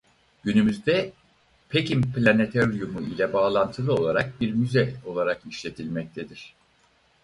Günümüzde Pekin Planetaryumu ile bağlantılı olarak bir müze olarak işletilmektedir.